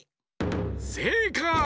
せいかい！